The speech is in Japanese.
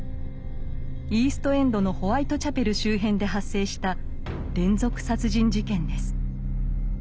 イースト・エンドのホワイト・チャペル周辺で発生した連続殺人事件です。